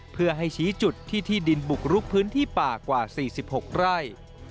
เพื่อให้ชี้จุดที่ที่ดินบุกลุกพื้นที่ป่ากว่า๔๖ไร่